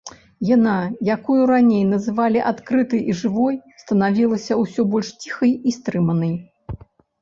Яна, якую раней называлі адкрытай і жывой, станавілася ўсё больш ціхай і стрыманай.